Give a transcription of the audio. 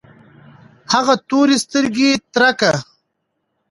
هغه تورې سترګې ترکه